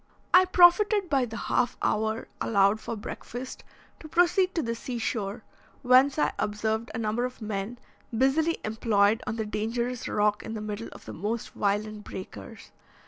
I profited by the half hour allowed for breakfast to proceed to the sea shore, whence I observed a number of men busily employed on the dangerous rock in the middle of the most violent breakers.